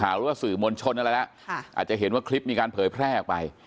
ปรากฏตัวรู้ว่าสื่อมณชนอะไรละอาจจะเห็นว่าคลิปมีการเผยแพร่ออกไป